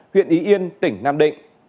huyện y yên tỉnh nam định